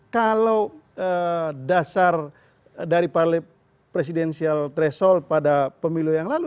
kalau dasar dari presidensial threshold pada pemilu yang lalu